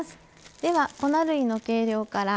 では粉類の計量から。